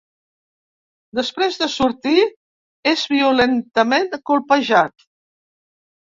Després de sortir, és violentament colpejat.